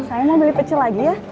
saya mau beli kecil lagi ya